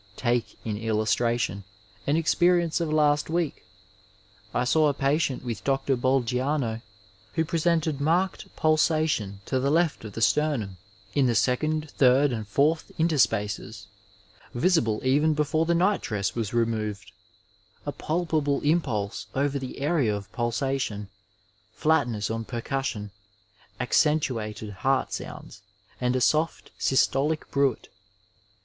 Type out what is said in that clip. Take in illustration an experience of last week. I saw a patient with Dr. Bolgiano who presented marked pulsation to the left of the sternum in the second, third and fourth interspaces, visible even before the night dress was removed, a palpable impulse over the area of pulsation, flatness on percussion, accentuated heart sounds and a soft systolic bruit.